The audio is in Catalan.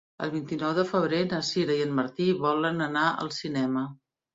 El vint-i-nou de febrer na Sira i en Martí volen anar al cinema.